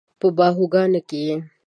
په باهوګانو کې یې